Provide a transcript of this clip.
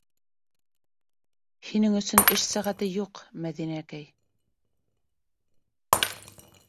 Һинең өсөн эш сәғәте юҡ, Мәҙинәкәй.